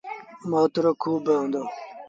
موت رو کوه با هُݩدو ۔